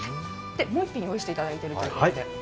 もう１品、用意していただいているということで。